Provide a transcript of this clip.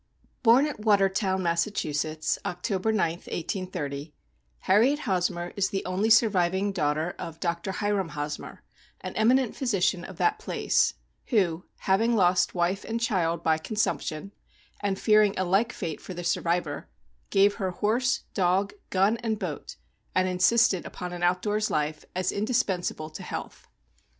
ORN at Watertown, Massachu setts, October 9th, 1830, Har riet Hosmer is the only surviv es ing daughter of Dr. Hiram Hos mer, an eminent physician of that place, who, having lost wife and child by consumption, and fearing a like fate for the survivor, gave her horse, dog, gun, and boat, and insisted upon an out doors life, as indispensable to health.